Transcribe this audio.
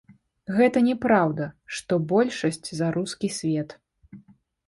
Гэта не праўда, што большасць за рускі свет.